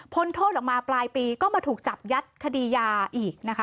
โทษออกมาปลายปีก็มาถูกจับยัดคดียาอีกนะคะ